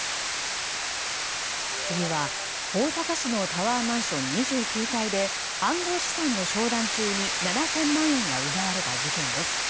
次は、大阪市のタワーマンション２９階で暗号資産の商談中に７０００万円が奪われた事件です。